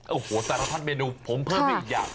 โอ้โฮแต่ละท่านเมนูผมเพิ่มอีกอย่าง